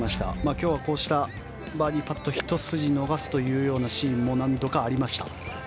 今日はこうしたバーディーパットひと筋逃すというようなシーンも何度かありました。